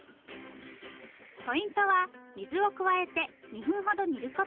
ポイントは水を加えて２分ほど煮ること。